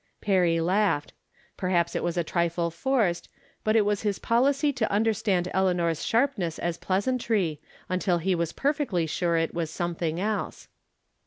" Perry laughed ; perhaps it was a trifle forced, but it was his policy to understand Eleanor's sharpness as pleasantry, until he was perfectly sure it was something else.